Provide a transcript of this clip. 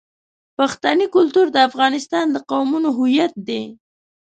پښتني کلتور د افغانستان د قومونو هویت دی.